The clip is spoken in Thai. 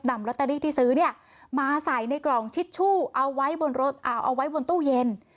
ลอตเตอรี่ที่ซื้อเนี่ยมาใส่ในกล่องชิดชู่เอาไว้บนรถเอาไว้บนตู้เย็น